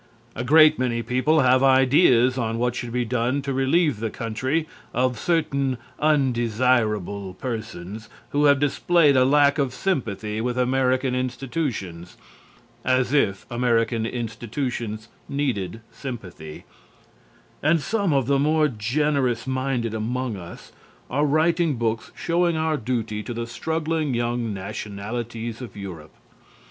A great many people have ideas on what should be done to relieve the country of certain undesirable persons who have displayed a lack of sympathy with American institutions. (As if American institutions needed sympathy!) And some of the more generous minded among us are writing books showing our duty to the struggling young nationalities of Europe.